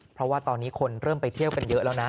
เพราะว่าตอนนี้คนเริ่มไปเที่ยวกันเยอะแล้วนะ